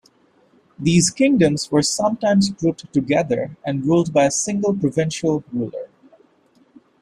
These kingdoms were sometimes grouped together and ruled by a single, provincial ruler.